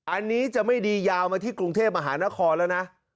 อันนี้จะไม่ดียาวมาที่กรุงเทพมหานครแล้วนะ